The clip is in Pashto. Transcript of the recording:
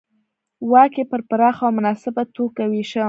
واک یې په پراخه او مناسبه توګه وېشه